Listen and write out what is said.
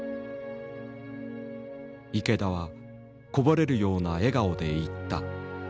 池田はこぼれるような笑顔で言った。